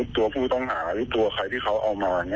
ตัวผู้ต้องหาหรือตัวใครที่เขาเอามา